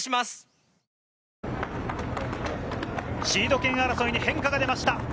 シード権争いに変化が出ました。